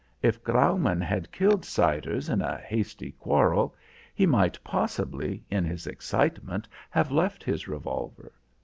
If Graumaun had killed Siders in a hasty quarrel, he might possibly, in his excitement, have left his revolver.